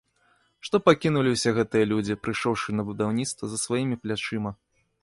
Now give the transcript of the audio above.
Што пакінулі ўсе гэтыя людзі, прыйшоўшы на будаўніцтва, за сваімі плячыма?